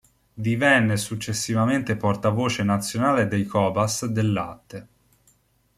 Divenne successivamente portavoce nazionale dei Cobas del latte.